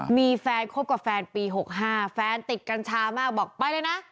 มีแฟนคบกับแฟนปี๖๕แฟนติดกัญชามากบอกไปเลยนะ